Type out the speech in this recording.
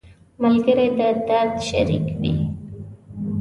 ملګری د درد شریک وي